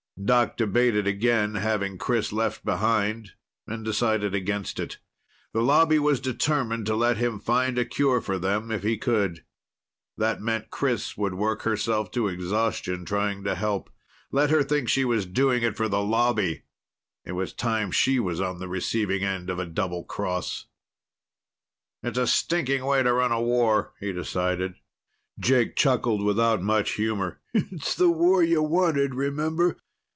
Doc debated again having Chris left behind and decided against it. The Lobby was determined to let him find a cure for them if he could. That meant Chris would work herself to exhaustion trying to help. Let her think she was doing it for the Lobby! It was time she was on the receiving end of a double cross. "It's a stinking way to run a war," he decided. Jake chuckled without much humor. "It's the war you wanted, remember?